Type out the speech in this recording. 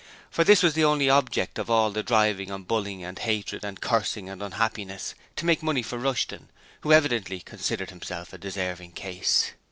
For this was the only object of all the driving and bullying and hatred and cursing and unhappiness to make money for Rushton, who evidently considered himself a deserving case.